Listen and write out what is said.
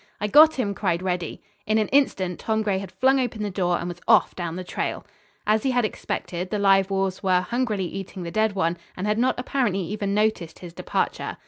"I got him!" cried Reddy. In an instant Tom Gray had flung open the door and was off down the trail. As he had expected, the live wolves were hungrily eating the dead one and had not apparently even noticed his departure.